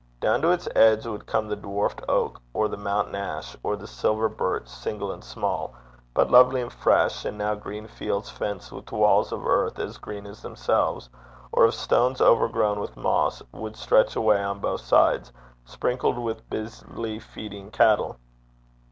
Down to its edge would come the dwarfed oak, or the mountain ash, or the silver birch, single and small, but lovely and fresh; and now green fields, fenced with walls of earth as green as themselves, or of stones overgrown with moss, would stretch away on both sides, sprinkled with busily feeding cattle.